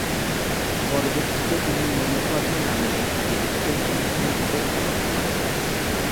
পরবর্তীতে তিনি "মনের কথা" নামে একটি টেলিভিশন অনুষ্ঠানের উপস্থাপনা করেন।